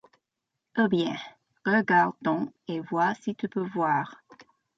Eh bien ! regarde donc, et vois si tu peux voir !